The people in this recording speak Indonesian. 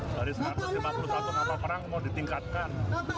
dari satu ratus lima puluh satu kapal perang mau ditingkatkan